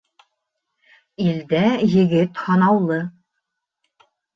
Илдә егет һанаулы.